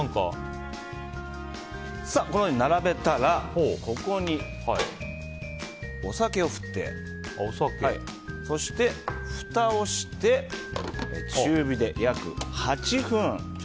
このように並べたらここに、お酒を振ってそして、ふたをして中火で約８分。